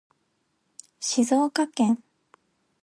静岡県